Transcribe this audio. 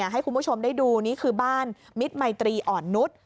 ให้คุณผู้ชมได้ดูนี่คือบ้านมิตรมัยตรีอ่อนนุษย์